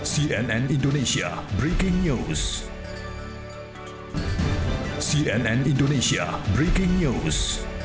cnn indonesia breaking news